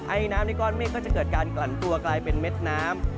ไอน้ำในก้อนเมฆก็จะเกิดการกลั่นตัวกลายเป็นเม็ดน้ำ